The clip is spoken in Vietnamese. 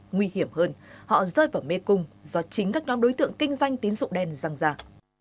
nguy hiểm hơn họ rơi vào mê cung do chính các nhóm đối tượng kinh doanh tín dụng đen răng rạc